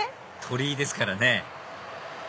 鳥居ですからね